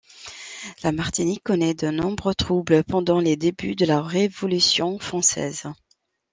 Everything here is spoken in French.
La Martinique connait de nombreux troubles pendant les débuts de la Révolution française.